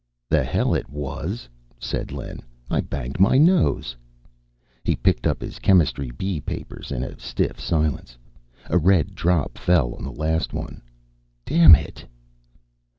"The hell it was," said Len. "I banged my nose." He picked up his Chemistry B papers in a stiff silence. A red drop fell on the last one. "Damn it!"